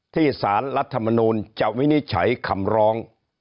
ที่สารรัฐธรรมนุนเจ้าวินิจฉัยขำร้อง